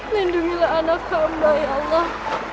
lindungilah anak kamu ya allah